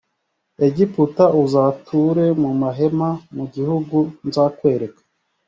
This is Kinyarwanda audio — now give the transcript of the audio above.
egiputa uzature mu mahema mu gihugu nzakwereka